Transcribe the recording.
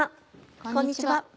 こんにちは。